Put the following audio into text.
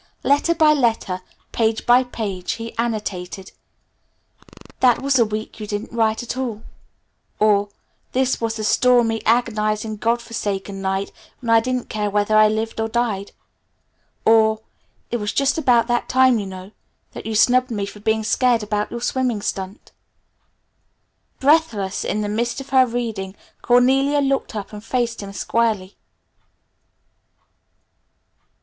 Letter by letter, page by page he annotated: "That was the week you didn't write at all," or "This was the stormy, agonizing, God forsaken night when I didn't care whether I lived or died," or "It was just about that time, you know, that you snubbed me for being scared about your swimming stunt." Breathless in the midst of her reading Cornelia looked up and faced him squarely.